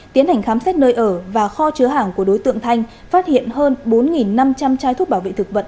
tiến hành khám xét nơi ở và kho chứa hàng của đối tượng thanh phát hiện hơn bốn năm trăm linh chai thuốc bảo vệ thực vật